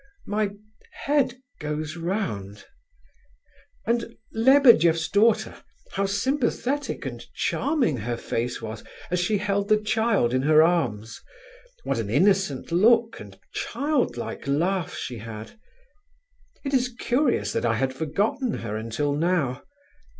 My head goes round... And Lebedeff's daughter—how sympathetic and charming her face was as she held the child in her arms! What an innocent look and child like laugh she had! It is curious that I had forgotten her until now.